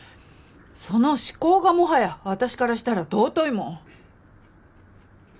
その思考がもはや私からしたら尊いもん。